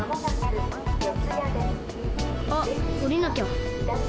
あっおりなきゃ。